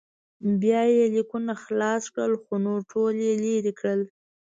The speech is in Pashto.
بیا یې لیکونه خلاص کړل خو نور ټول یې لرې کړل.